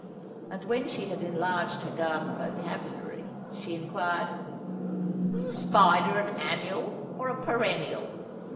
And when she had enlarged her garden vocabulary, she inquired: "Is a spider an annual or a perennial?"